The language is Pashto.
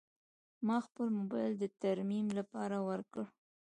ما خپل موبایل د ترمیم لپاره ورکړ.